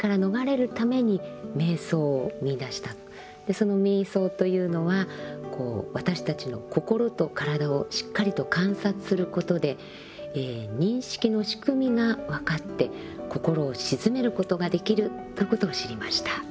その瞑想というのは私たちの心と体をしっかりと観察することで認識の仕組みが分かって心を静めることができるということを知りました。